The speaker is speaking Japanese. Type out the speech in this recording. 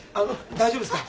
大丈夫ですか？